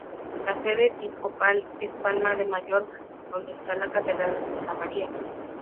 La sede episcopal es Palma de Mallorca, donde está la catedral de Santa María.